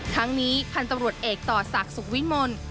ทั้งนี้พันธุ์ตำรวจเอกต่อศักดิ์สุขวิมล